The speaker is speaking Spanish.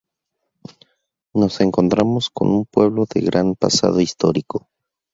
Nos encontramos con un pueblo de gran pasado histórico.